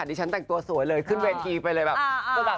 มีชั้นแต่งตัวสวยเลยขึ้นเวียนอีกไปเลย